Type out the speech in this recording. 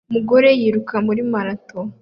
Umugore yiruka muri marato